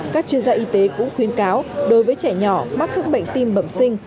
các chuyên gia y tế cũng khuyến cáo đối với trẻ nhỏ mắc các bệnh tim bẩm sinh